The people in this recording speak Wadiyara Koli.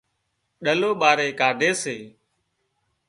ڏلو ٻاري ڪاڍي سي